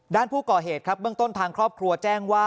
ด้านผู้ก่อเหตุครับเบื้องต้นทางครอบครัวแจ้งว่า